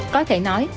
có thể nói